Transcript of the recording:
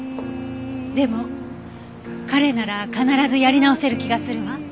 でも彼なら必ずやり直せる気がするわ。